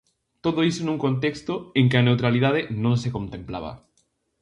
Todo iso nun contexto en que a neutralidade non se contemplaba.